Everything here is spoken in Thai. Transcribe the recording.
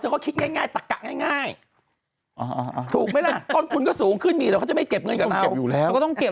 เอาอย่างน้อยเรียบร้อยแล้วเนี่ย